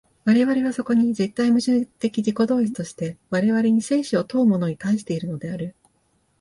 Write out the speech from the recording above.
我々はそこに絶対矛盾的自己同一として、我々に生死を問うものに対しているのである。